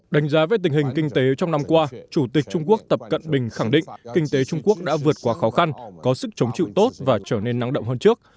đánh giá về tình hình kinh tế trong năm qua chủ tịch trung quốc tập cận bình khẳng định kinh tế trung quốc đã vượt qua khó khăn có sức chống chịu tốt và trở nên năng động hơn trước